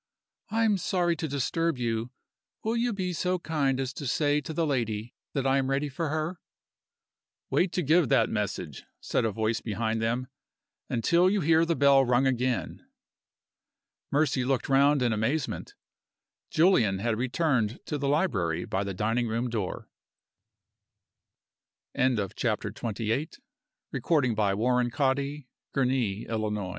"I am sorry to disturb you. Will you be so kind as to say to the lady that I am ready for her?" "Wait to give that message," said a voice behind them, "until you hear the bell rung again." Mercy looked round in amazement. Julian had returned to the library by the dining room door. CHAPTER XXIX. THE LAST TRIAL. THE servant left them together. Mercy spoke first. "Mr.